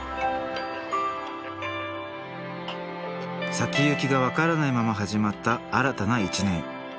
先行きが分からないまま始まった新たな一年。